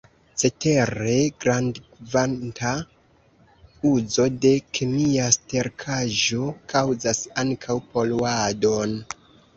Cetere, grandkvanta uzo de kemia sterkaĵo kaŭzas ankaŭ poluadon.